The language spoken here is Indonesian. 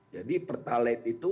jadi pertalaid itu